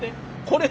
これ。